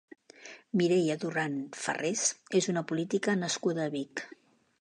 Mireia Duran Farrés és una política nascuda a Vic.